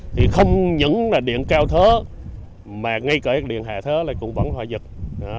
thì không những là điện cao thớ mà ngay cạnh điện hạ thớ là cũng vẫn hòa dịch